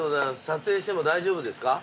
撮影しても大丈夫ですか？